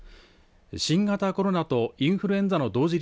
新型コロナとインフルエンザの同時